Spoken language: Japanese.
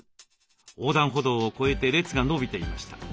横断歩道を越えて列が延びていました。